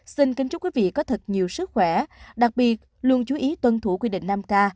xin kính chúc quý vị có thật nhiều sức khỏe đặc biệt luôn chú ý tuân thủ quy định năm k